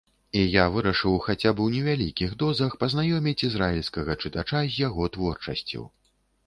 І я вырашыў хаця б у невялікіх дозах пазнаёміць ізраільскага чытача з яго творчасцю.